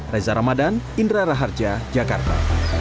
reza ramadan indra raharja jakarta